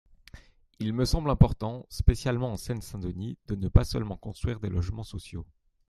Il me semble important, spécialement en Seine-Saint-Denis, de ne pas seulement construire des logements sociaux.